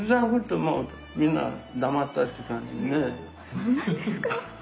そうなんですか？